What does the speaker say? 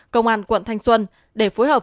công an quận thanh xuân để phối hợp